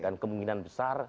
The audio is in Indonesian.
dan kemungkinan besar